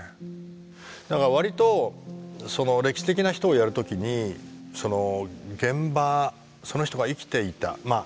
だから割と歴史的な人をやる時に現場その人が生きていたまあ